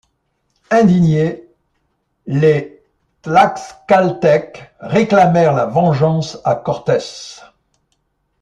Indignés, les Tlaxcaltèques réclamèrent la vengeance à Cortés.